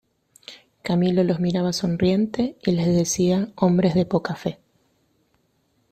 Camilo los miraba sonriente y les decía hombres de poca fe.